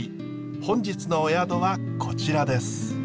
本日のお宿はこちらです。